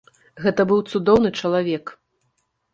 Гэта быў цудоўны чалавек.